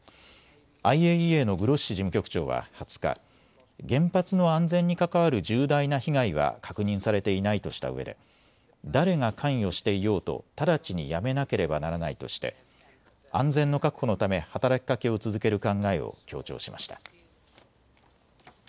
ＩＡＥＡのグロッシ事務局長は２０日、原発の安全に関わる重大な被害は確認されていないとしたうえで誰が関与していようと直ちにやめなければならないとして安全の確保のため働きかけを続ける考えを強調しました。